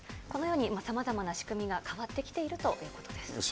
このようにさまざまな仕組みが変わってきているということです。